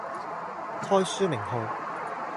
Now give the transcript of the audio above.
開書名號